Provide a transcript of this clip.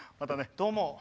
どうも。